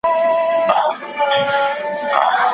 په ادبي علومو کي عروض او تاریخ شامل دي.